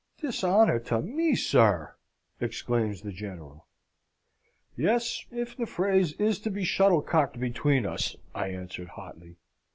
"Dishonour to me! sir," exclaims the General. "Yes, if the phrase is to be shuttlecocked between us!" I answered, hotly.